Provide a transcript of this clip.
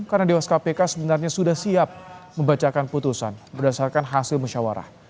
karena dewas kpk sebenarnya sudah siap membacakan putusan berdasarkan hasil mesyawarah